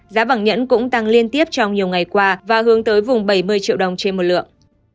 giá vàng nhẫn cũng tăng liên tiếp trong nhiều ngày qua và hướng tới vùng bảy mươi triệu đồng trên một lượng